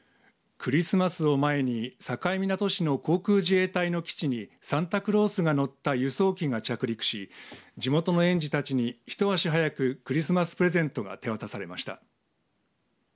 クリスマスを前に境港市の航空自衛隊の基地にサンタクロースが乗った輸送機が着陸し地元の園児たちに一足早くクリスマスプレゼントが手渡されました。